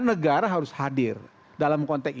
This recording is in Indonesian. negara harus hadir dalam konteks